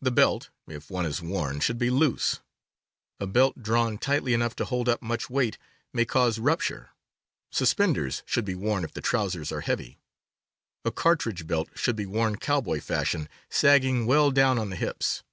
The belt, if one is worn, should be loose. A belt drawn tightly enough to hold up much weight may „ cause rupture. Suspenders should be worn if the trousers are heavy. A car tridge belt should be worn cowboy fashion, sagging well down on the hips.